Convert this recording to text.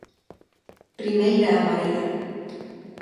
Primeira amarela.